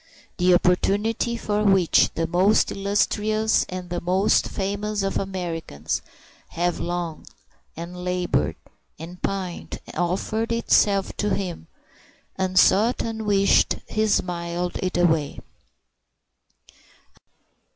The opportunity for which the most illustrious and the most famous of Americans have longed and labored and pined offered itself to him, unsought, unwished, and he smiled it away.